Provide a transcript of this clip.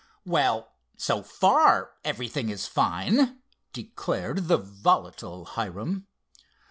"Well, so far—everything is fine!" declared the volatile Hiram.